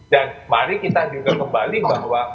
dan mari kita juga kembali bahwa